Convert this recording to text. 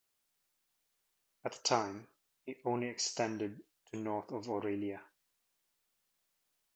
At the time, it only extended to north of Orillia.